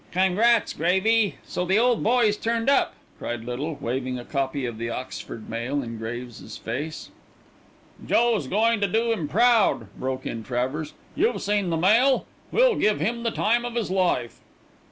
"Congrats., Gravy. So the old boy's turned up," cried Little, waving a copy of The Oxford Mail in Graves's face. "Joe's is going to do him proud," broke in Travers. "You've seen the Mail? We'll give him the time of his life."